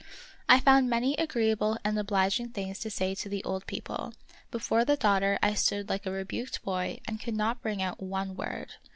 I found many agreeable and obliging things to say to the old people; before the daughter I stood like a rebuked boy and could not bring out one word.